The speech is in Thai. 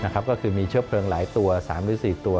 ก็คือมีเชื้อเพลิงหลายตัว๓หรือ๔ตัว